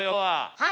はい！